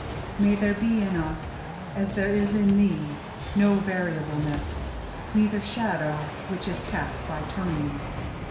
May there be in us, as there is in Thee, no variableness, neither shadow which is cast by turning."